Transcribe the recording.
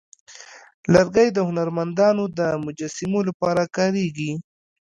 لرګی د هنرمندانو د مجسمو لپاره کارېږي.